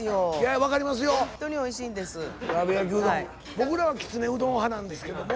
僕らはきつねうどん派なんですけどね。